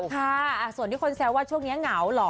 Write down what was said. ค่ะส่วนที่คนแซวว่าช่วงนี้เหงาเหรอ